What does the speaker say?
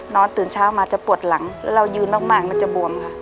ตื่นเช้ามาจะปวดหลังเรายืนมากมันจะบวมค่ะ